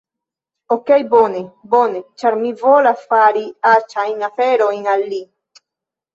Okej bone, bone, ĉar mi volas fari aĉajn aferojn al li